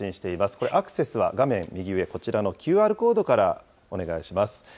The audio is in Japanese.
これ、アクセスは画面右上、こちらのＱＲコードからお願いします。